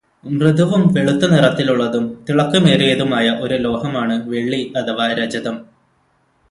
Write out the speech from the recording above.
മൃദുവും, വെളുത്ത നിറത്തിലുള്ളതും, തിളക്കമേറിയതുമായ ഒരു ലോഹമാണ് വെള്ളി അഥവാ രജതം